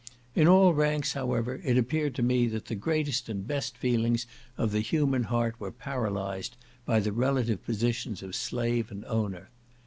In all ranks, however, it appeared to me that the greatest and best feelings of the human heart were paralyzed by the relative positions of slave and owner.